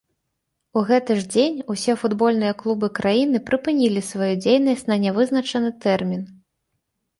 У гэты ж дзень усе футбольныя клубы краіны прыпынілі сваю дзейнасць на нявызначаны тэрмін.